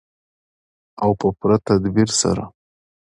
او په پوره تدبیر سره.